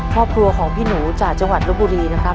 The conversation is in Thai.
ครอบครัวของพี่หนูจากจังหวัดลบบุรีนะครับ